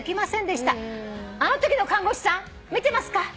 「あのときの看護師さん見てますか？」